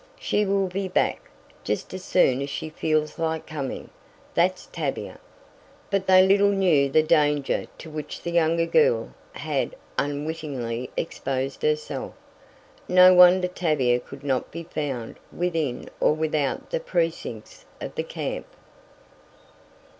She will be back just as soon as she feels like coming. That's Tavia!" But they little knew the danger to which the younger girl had unwittingly exposed herself. No wonder Tavia could not be found within or without the precincts of the camp.